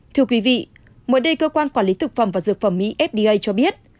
thưa quý vị mỗi đêm cơ quan quản lý thực phẩm và dược phẩm mỹ fda cho biết